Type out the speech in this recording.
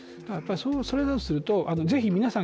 それだとするとぜひ皆さん